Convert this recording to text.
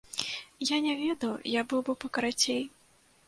Я не ведаў, я быў бы пакарацей.